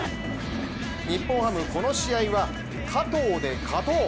日本ハムこの試合は加藤で勝とう。